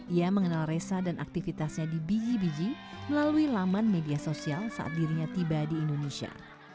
ia mengenal resa dan aktivitasnya di biji biji melalui laman media sosial saat dirinya tiba di indonesia